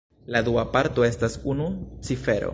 La dua parto estas unu cifero.